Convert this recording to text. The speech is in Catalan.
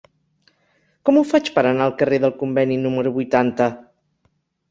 Com ho faig per anar al carrer del Conveni número vuitanta?